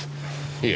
いえ。